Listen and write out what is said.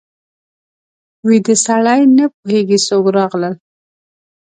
ویده سړی نه پوهېږي څوک راغلل